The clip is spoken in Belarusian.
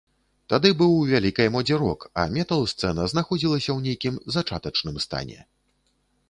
Тады быў у вялікай модзе рок, а метал-сцэна знаходзілася ў нейкім зачатачным стане.